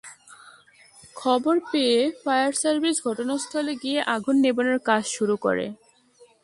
খবর পেয়ে fire service ঘটনাস্থলে গিয়ে আগুন নেভানোর কাজ শুরু করে।